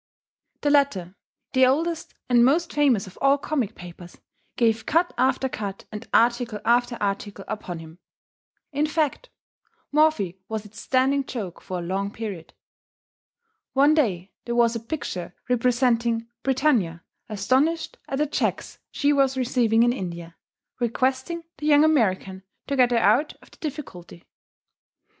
The latter, the oldest and most famous of all comic papers, gave cut after cut and article after article upon him; in fact, Morphy was its standing joke for a long period. One day there was a picture representing "Britannia, astonished at the checks she was receiving in India, requesting the young American to get her out of the difficulty."